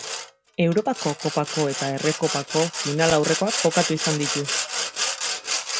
Europako Kopako eta Errekopako final aurrekoak jokatu izan ditu.